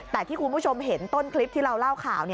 แต่ที่คุณผู้ชมเห็นต้นคลิปที่เราเล่าข่าว